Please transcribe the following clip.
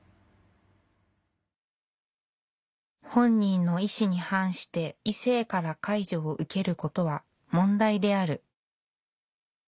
「本人の意志に反して異性から介助を受けることは問題である」。